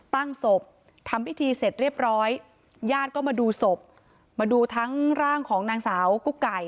ตั้งศพทำพิธีเสร็จเรียบร้อยญาติก็มาดูศพมาดูทั้งร่างของนางสาวกุ๊กไก่